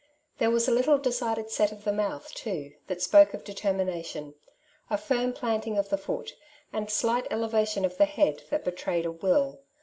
There was a little decided set of the mouth, too, that spoke of determination— a firm planting of the foot, and slight elevation of the head that betrayed a will.